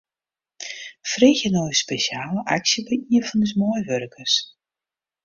Freegje nei ús spesjale aksje by ien fan ús meiwurkers.